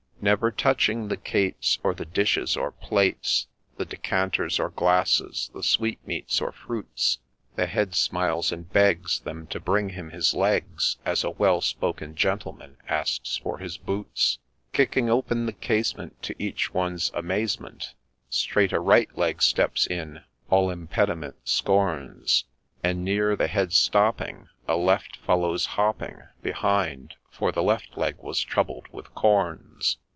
Never touching the cates, or the dishes or plates, The decanters or glasses, the sweetmeats or fruits, The head smiles, and begs them to bring him his legs, As a well spoken gentleman asks for his boots. Kicking open the casement, to each one's amazement, Straight a right leg steps in, all impediment scorns, And near the head stopping, a left follows hopping Behind, — for the left leg was troubled with corns.